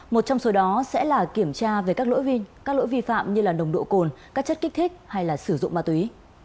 một trong số đó sẽ là kiểm tra về các lỗi vi phạm như là nồng độ cồn các chất kích thích hay là sử dụng ma túy